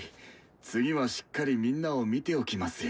次はしっかりみんなを見ておきますよ。